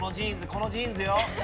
このジーンズよ。